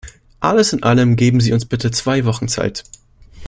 Alles in allem geben Sie uns bitte zwei Wochen Zeit.